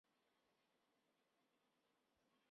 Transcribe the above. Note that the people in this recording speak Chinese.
它得名于塞纳河上的耶拿桥。